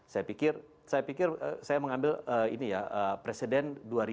saya pikir saya mengambil ini ya presiden dua ribu empat belas